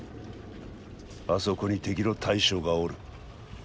あそこに敵の大将がおる。